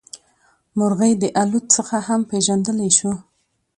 مرغۍ د الوت څخه هم پېژندلی شو.